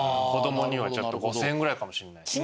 子どもにはちょっと５０００円ぐらいかもしれない。